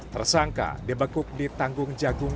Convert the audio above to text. tersangka dibekuk di tanggung jagung